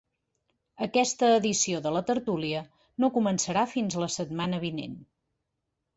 Aquesta edició de la tertúlia no començarà fins la setmana vinent.